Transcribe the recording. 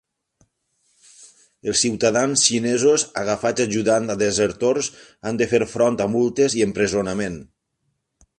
Els ciutadans xinesos agafats ajudant a desertors han de fer front a multes i empresonament.